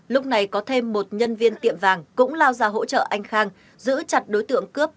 lúc này có thêm một nhân viên tiệm vàng cũng lao ra hỗ trợ anh khang giữ chặt đối tượng cướp